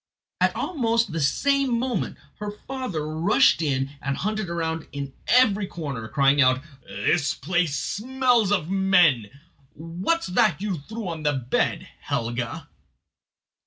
Almost at the same moment her father rushed in and hunted round in every corner, crying out: "This place smells of men. What's that you threw on the bed, Helga?"